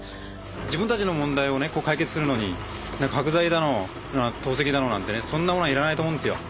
自分たちの問題を解決するのに角材だの投石だのなんてねそんなものはいらないと思うんですよ。